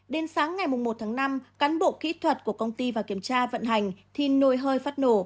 đến sáng ngày một tháng năm cán bộ kỹ thuật của công ty vào kiểm tra vận hành thì nồi hơi phát nổ